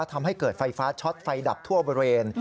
ทำให้เกิดไฟฟ้าช็อตไฟดับทั่วบริเวณ